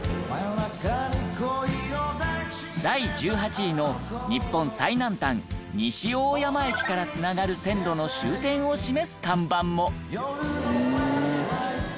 第１８位の日本最南端西大山駅から繋がる線路の終点を示す看板も。